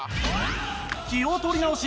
気を取り直し